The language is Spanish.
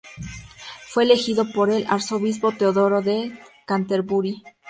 Fue elegido por el Arzobispo Teodoro de Canterbury.